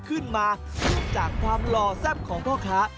เห็นตกมาจากความหล่อแท้ปของพ่อค้า